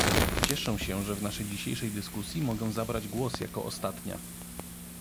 Cieszę się, że w naszej dzisiejszej dyskusji mogę zabrać głos jako ostatnia